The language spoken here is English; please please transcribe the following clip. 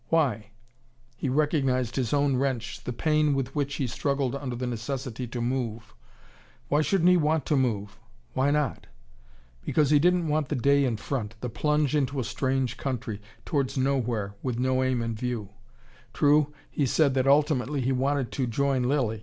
Why? He recognized his own wrench, the pain with which he struggled under the necessity to move. Why shouldn't he want to move? Why not? Because he didn't want the day in front the plunge into a strange country, towards nowhere, with no aim in view. True, he said that ultimately he wanted to join Lilly.